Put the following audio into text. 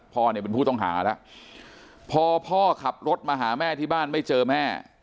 พ่อเนี่ยเป็นผู้ต้องหาแล้วพอพ่อขับรถมาหาแม่ที่บ้านไม่เจอแม่